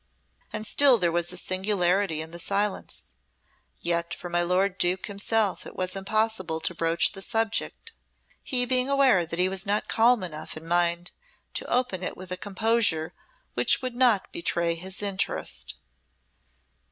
And still there was a singularity in the silence. Yet for my lord Duke himself it was impossible to broach the subject, he being aware that he was not calm enough in mind to open it with a composure which would not betray his interest.